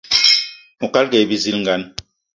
Oukalga aye bizilgan.